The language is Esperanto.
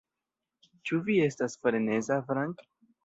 Ĉu vi estas freneza, Frank?